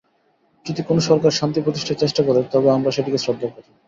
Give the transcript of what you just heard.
যদি কোনো সরকার শান্তি প্রতিষ্ঠার চেষ্টা করে, তবে আমরা সেটিকে শ্রদ্ধা করি।